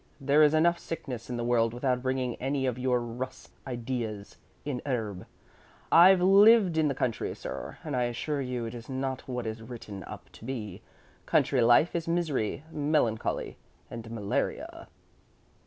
There is enough sickness in the world without bringing any of your rus ideas in urbe. I've lived in the country, sir, and I assure you it is not what it is written up to be. Country life is misery, melancholy, and malaria."